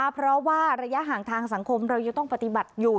เพราะว่าระยะห่างทางสังคมเรายังต้องปฏิบัติอยู่